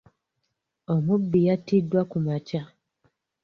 Omubbi yattiddwa ku makya.